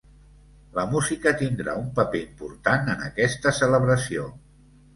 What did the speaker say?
La música tindrà un paper important en aquesta celebració.